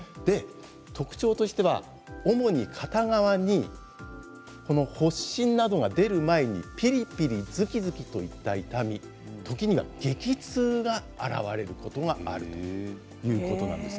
特徴としては、主に片側に発疹が出る前にピリピリ、ズキズキといった痛み時には激痛が現れるということなんです。